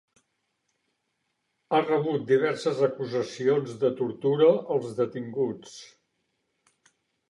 Ha rebut diverses acusacions de tortura als detinguts.